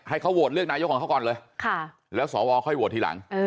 เขาโหวตเลือกนายกของเขาก่อนเลยแล้วสวค่อยโหวตทีหลัง